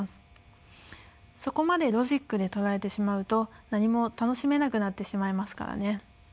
そこまでロジックで捉えてしまうと何も楽しめなくなってしまいますからね。